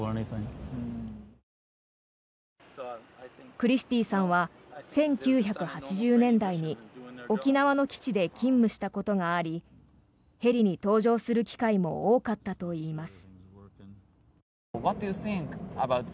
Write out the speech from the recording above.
クリスティーさんは１９８０年代に沖縄の基地で勤務したことがありヘリに搭乗する機会も多かったといいます。